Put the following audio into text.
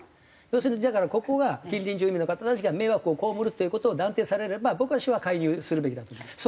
要するにだからここが近隣住民の方たちが迷惑を被るっていう事を断定されれば僕は市は介入するべきだと思います。